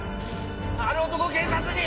あの男を警察に！